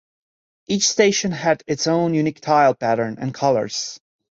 Each station had its own unique tile pattern and colours.